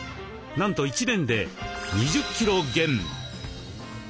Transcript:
なんと１年で２０キロ減。